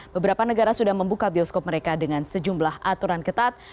beberapa negara sudah membuka bioskop mereka dengan sejumlah aturan ketat